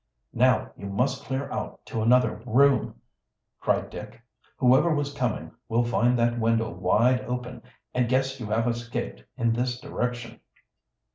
"Now you must clear out to another room!" cried Dick. "Whoever was coming will find that window wide open, and guess you have escaped in this direction."